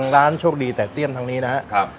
ร้านโชคดีแต่เตี้ยมทางนี้นะครับ